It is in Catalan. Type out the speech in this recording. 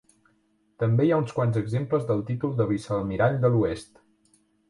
També hi ha uns quants exemples del títol de vicealmirall de l'oest.